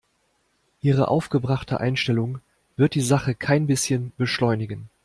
Ihre aufgebrachte Einstellung wird die Sache kein bisschen beschleunigen.